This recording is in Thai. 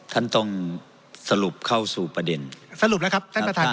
ท่านต้องสรุปเข้าสู่ประเด็นสรุปแล้วครับท่านประธาน